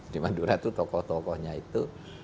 di madura itu tokoh tokohnya itu